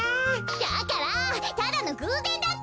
だからただのぐうぜんだって！